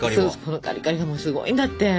このカリカリがもうすごいんだって！